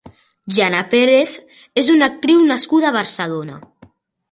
Jana Perez és una actriu nascuda a Barcelona.